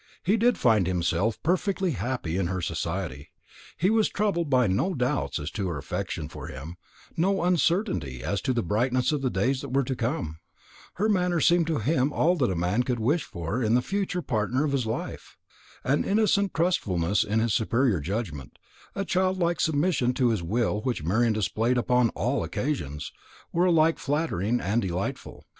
He did find himself perfectly happy in her society. He was troubled by no doubts as to her affection for him, no uncertainty as to the brightness of the days that were to come. Her manner seemed to him all that a man could wish in the future partner of his life. An innocent trustfulness in his superior judgment, a childlike submission to his will which Marian displayed upon all occasions, were alike flattering and delightful.